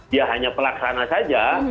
dia hanya pelaksana saja